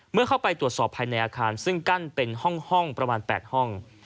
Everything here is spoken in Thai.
เมื่อเข้าไปตรวจสอบภายในอาคารซึ่งกั้นเป็นห้องประมาณ๘ห้อง